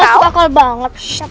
gak masuk akal banget